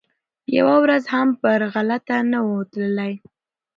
یوه ورځ هم پر غلطه نه وو تللی